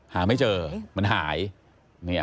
หาไม่เจอมันหาย